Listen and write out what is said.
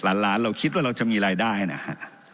ล้านล้านเราคิดว่าเราจะมีรายได้นะฮะ